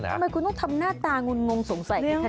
ทำไมคุณต้องทำหน้าตางุนงงสงสัยกันคะ